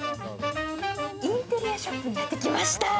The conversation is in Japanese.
インテリアショップにやってきました。